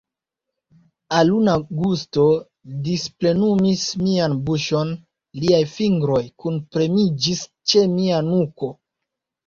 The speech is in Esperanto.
Aluna gusto displenumis mian buŝon, liaj fingroj kunpremiĝis ĉe mia nuko.